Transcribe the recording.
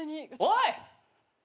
おい！